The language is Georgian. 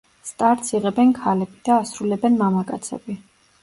სტარტს იღებენ ქალები და ასრულებენ მამაკაცები.